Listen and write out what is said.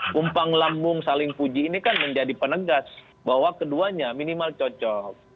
kumpang lambung saling puji ini kan menjadi penegas bahwa keduanya minimal cocok